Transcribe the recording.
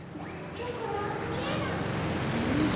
だからみえない。